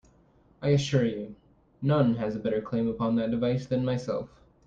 I assure you, none has a better claim upon that device than myself.